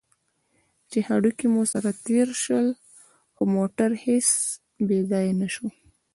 چې هډوکي مو سره تېر شول، خو موټر هېڅ بې ځایه نه شو.